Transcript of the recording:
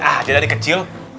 ah dia dari kecil